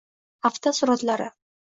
Hafta suratlari